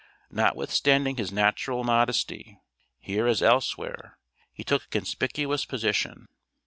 Notwithstanding his natural modesty, here as elsewhere, he took a conspicuous position.